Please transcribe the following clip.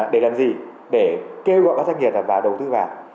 để làm gì để kêu gọi các doanh nghiệp vào đầu tư vào